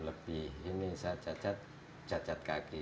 lebih ini saya cacat cacat kaki